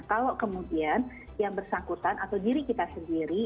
kalau kemudian yang bersangkutan atau diri kita sendiri